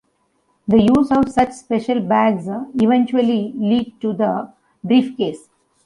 The use of such special bags eventually led to the briefcase.